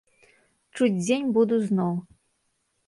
Чуць дзень буду зноў.